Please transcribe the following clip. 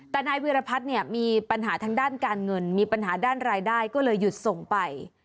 แต่นายวิรพัฒน์เนี่ยมีปัญหาทางด้านการเงินมีปัญหาด้านรายได้ก็เลยหยุดส่งไป